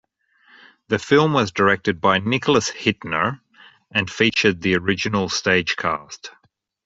The film was directed by Nicholas Hytner and featured the original stage cast.